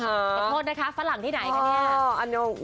ขอโทษนะคะฝรั่งที่ไหนคะเนี่ย